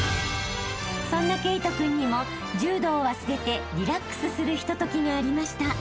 ［そんな慧登君にも柔道を忘れてリラックスするひとときがありました］